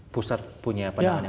pusat punya pandangan yang sama